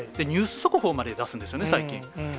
ニュース速報まで出すんですよね、最近。